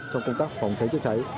trong công tác phòng cháy chữa cháy